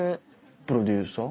プロデューサー？